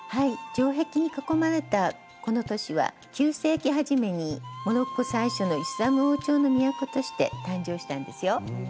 城壁に囲まれたこの都市は９世紀初めにモロッコ最初のイスラム王朝の都として誕生したんですよ。